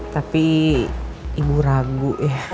tapi ibu ragu